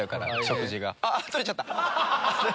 あっ取れちゃった！